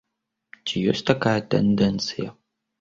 Ці ёсць такая тэндэнцыя?